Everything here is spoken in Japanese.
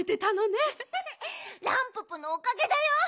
ランププのおかげだよ。